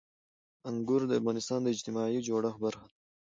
انګور د افغانستان د اجتماعي جوړښت برخه ده.